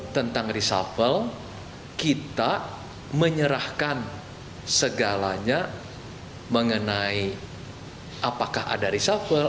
tentang reshuffle kita menyerahkan segalanya mengenai apakah ada reshuffle